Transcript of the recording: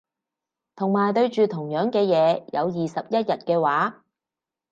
同埋對住同樣嘅嘢有二十一日嘅話